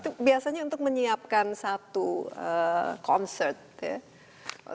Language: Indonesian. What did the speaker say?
itu biasanya untuk menyiapkan satu concert ya